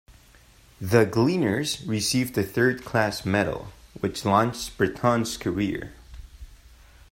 "The Gleaners" received a third class medal, which launched Breton's career.